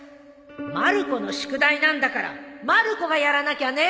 まる子の宿題なんだからまる子がやらなきゃね！